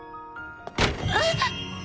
あっ！